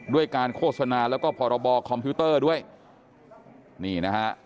ด้วยการโฆษณาแล้วก็พรบคอมพิวเตอร์ด้วยนี่นะฮะ